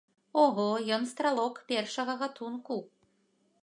Ого, ён стралок першага гатунку!